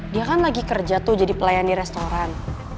dia kan lagi kerja tuh jadi pelayan di restoran